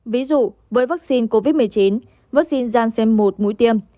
ví dụ với vắc xin covid một mươi chín vắc xin gian xem một mũi tiêm